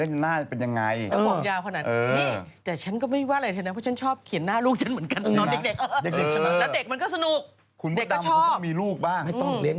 คุณพระตำแล้วก็มีลูกบ้าง